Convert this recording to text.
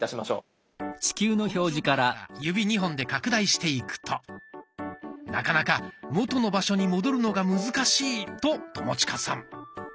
この状態から指２本で拡大していくとなかなか元の場所に戻るのが難しいと友近さん。